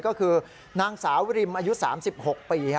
ก็คือนางสาวริมอายุ๓๖ปี